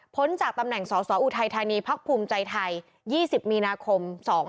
จากตำแหน่งสอสออุทัยธานีพักภูมิใจไทย๒๐มีนาคม๒๕๖